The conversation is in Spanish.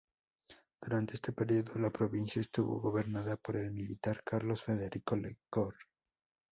Durante este período la provincia estuvo gobernada por el militar Carlos Federico Lecor.